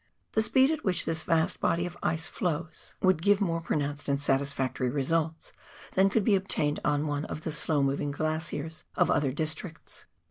The speed at which this vast body of ice flows would give more pro THE FRANZ JOSEF GLACIER. 177 nounced and satisfactory results than could be obtained on one of the slow moving glaciers of other districts.